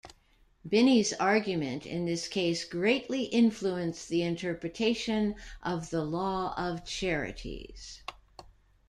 Binney's argument in this case greatly influenced the interpretation of the law of charities.